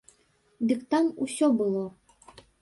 Дык там усё было.